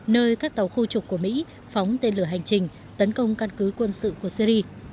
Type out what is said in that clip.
nơi các tàu khu trục của mỹ phóng tên lửa hành trình tấn công căn cứ quân sự của syri